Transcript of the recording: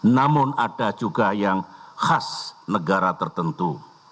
namun ada juga yang khas negara tertentu